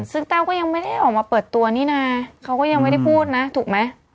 ซึ่งแต้วก็ยังไม่ได้ออกมาเปิดตัวนี่นะเขาก็ยังไม่ได้พูดนะถูกไหม